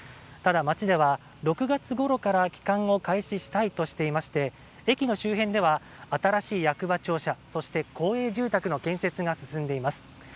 ただ町では６月ごろから帰還を開始したいとしていまして駅の周辺では、新しい役場庁舎そして公営住宅の建設が進んでいます。